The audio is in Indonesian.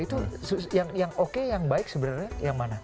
itu yang oke yang baik sebenarnya yang mana